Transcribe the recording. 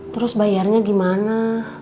terus bayarnya gimana